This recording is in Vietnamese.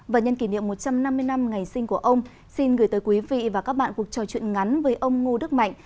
và nhân kỷ niệm một trăm năm mươi năm ngày sinh của ông xin gửi tới quý vị và các bạn cuộc trò chuyện ngắn với ông ngô đức mạnh